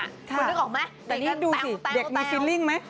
คุณนึกออกไหมแต่นี่ดูสิเด็กมีฟิลลิ่งไหม